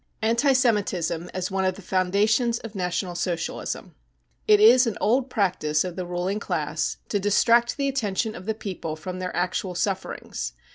Anti Semitism as one of the Foundations of National Socialism. It is an old practice of the ruling* class to distract the attention of the people from their actual sufferings.